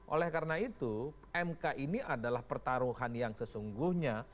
oleh karena itu mk ini adalah pertaruhan yang sesungguhnya